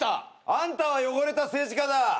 あんたは汚れた政治家だ！